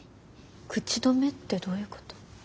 口止めってどういうこと？